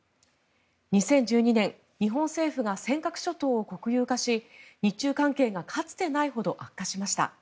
２０１２年日本政府が尖閣諸島を国有化し日中関係がかつてないほど悪化しました。